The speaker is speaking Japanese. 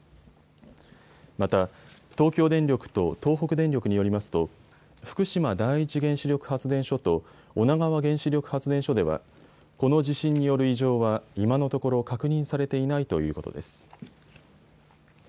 また東京電力と東北電力によりますと福島第一原子力発電所と女川原子力発電所ではこの地震による異常は今のところ確認されていないということです。